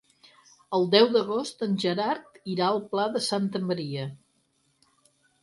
El deu d'agost en Gerard irà al Pla de Santa Maria.